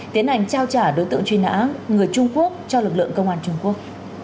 tiến hành trao trả đối tượng truy nã người trung quốc cho lực lượng công an trung quốc